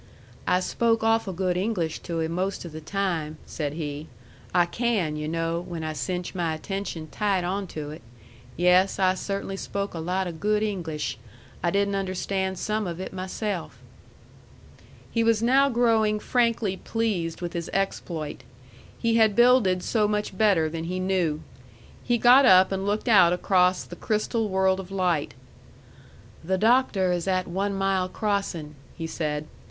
"I spoke awful good English to him most of the time," said he. "I can, yu' know, when I cinch my attention tight on to it. Yes, I cert'nly spoke a lot o' good English. I didn't understand some of it myself!" He was now growing frankly pleased with his exploit. He had builded so much better than he knew. He got up and looked out across the crystal world of light. "The Doctor is at one mile crossing," he said.